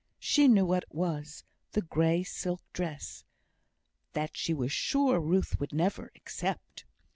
She knew what it was, the grey silk dress. That she was sure Ruth would never accept.